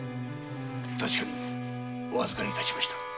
確かにお預かり致しました。